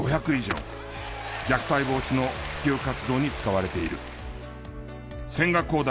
虐待防止の普及活動に使われている。